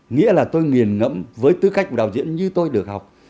nghĩa là tôi nghiền ngẫm với tư cách của đạo diễn như tôi được học